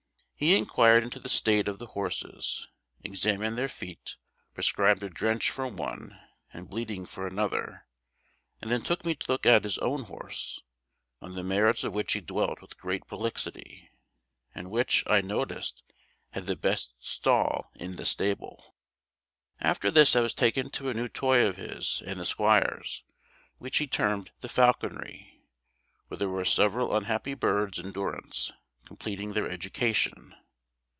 He inquired into the state of the horses; examined their feet; prescribed a drench for one, and bleeding for another; and then took me to look at his own horse, on the merits of which he dwelt with great prolixity, and which, I noticed, had the best stall in the stable. After this I was taken to a new toy of his and the squire's, which he termed the falconry, where there were several unhappy birds in durance, completing their education.